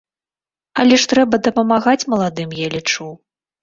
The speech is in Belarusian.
Але трэба ж дапамагаць маладым, я лічу.